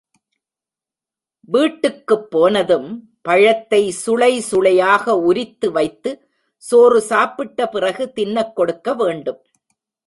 வீட்டுக்குப் போனதும் பழத்தை சுளை சுளையாக உரித்து வைத்து, சோறு சாப்பிட்ட பிறகு தின்னக் கொடுக்க வேண்டும்.